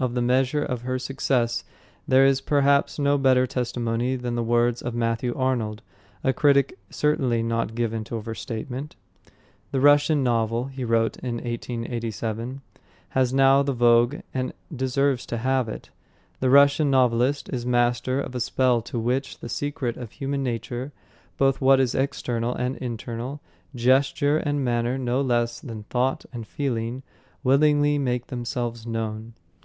Of the measure of her success there is perhaps no better testimony than the words of Matthew Arnold, a critic certainly not given to overstatement. "The Russian novel," he wrote in 1887, "has now the vogue, and deserves to have it... The Russian novelist is master of a spell to which the secret of human nature both what is external and internal, gesture and manner no less than thought and feeling willingly make themselves known...